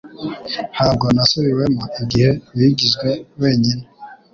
Ntabwo nasubiwemo igihe wigizwe wenyine